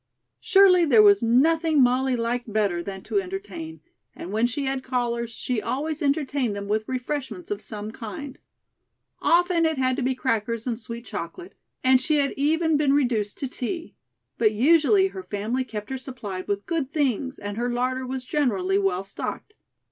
Surely there was nothing Molly liked better than to entertain, and when she had callers, she always entertained them with refreshments of some kind. Often it had to be crackers and sweet chocolate, and she had even been reduced to tea. But usually her family kept her supplied with good things and her larder was generally well stocked.